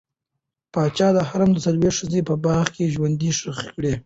پاچا د حرم څلوېښت ښځې په باغ کې ژوندۍ ښخې کړې.